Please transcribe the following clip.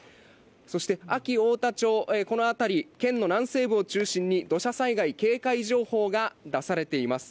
そして、安芸太田町、この辺り、県の南西部を中心に土砂災害警戒情報が出されています。